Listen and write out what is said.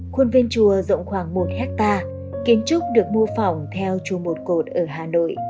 khuôn viên chùa rộng khoảng một hectare kiến trúc được mô phỏng theo chùa một cột ở hà nội